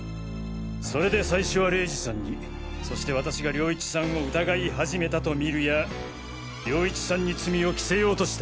それで最初は玲二さんにそして私が涼一さんを疑い始めたとみるや涼一さんに罪を着せようとした。